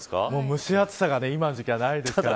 蒸し暑さが今の時期はないですから。